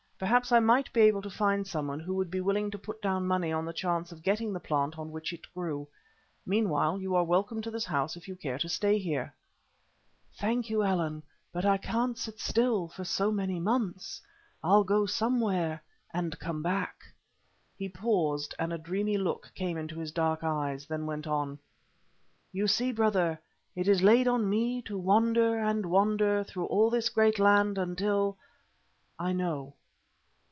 Perhaps I might be able to find someone who would be willing to put down money on the chance of getting the plant on which it grew. Meanwhile, you are welcome to this house if you care to stay here." "Thank you, Allan, but I can't sit still for so many months. I'll go somewhere and come back." He paused and a dreamy look came into his dark eyes, then went on, "You see, Brother, it is laid on me to wander and wander through all this great land until I know."